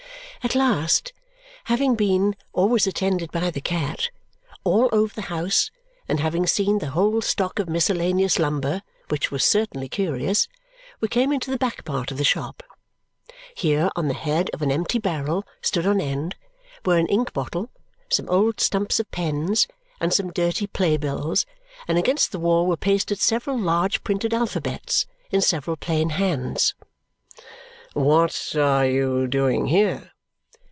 At last, having been (always attended by the cat) all over the house and having seen the whole stock of miscellaneous lumber, which was certainly curious, we came into the back part of the shop. Here on the head of an empty barrel stood on end were an ink bottle, some old stumps of pens, and some dirty playbills; and against the wall were pasted several large printed alphabets in several plain hands. "What are you doing here?"